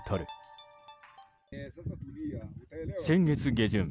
先月下旬